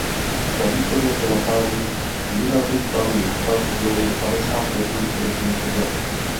Na východě se nachází výrazný skalní útvar oddělený padesát metrů širokým sedlem.